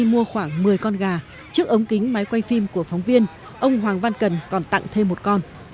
mua khoảng một mươi con gà trước ống kính máy quay phim của phóng viên ông hoàng văn cần còn tặng thêm một con